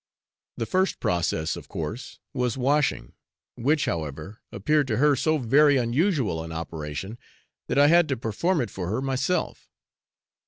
The first process, of course, was washing, which, however, appeared to her so very unusual an operation, that I had to perform it for her myself.